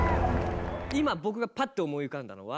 今僕がパッと思い浮かんだのは。